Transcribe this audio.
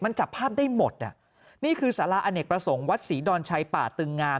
มันจับภาพได้หมดอ่ะนี่คือสาระอเนกประสงค์วัดศรีดอนชัยป่าตึงงาม